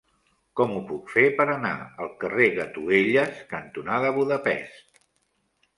Com ho puc fer per anar al carrer Gatuelles cantonada Budapest?